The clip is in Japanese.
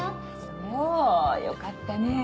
そうよかったねぇ。